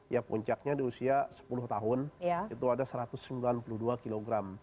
ya puncaknya di usia sepuluh tahun itu ada satu ratus sembilan puluh dua kg